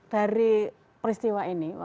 dari peristiwa ini